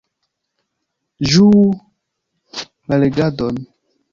Ĝuu la legadon!